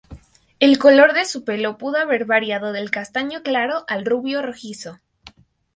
El color de su pelo pudo haber variado del castaño claro al rubio rojizo.